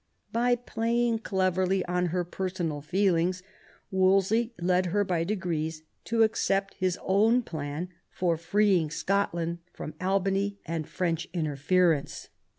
By plajring cleverly on her personal feelings, Wolsey led her by degrees to accept his own plan for freeing Scotland from Albany and French interference.